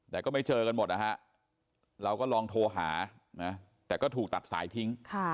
แต่ก็ไม่เจอกันหมดนะฮะเราก็ลองโทรหานะแต่ก็ถูกตัดสายทิ้ง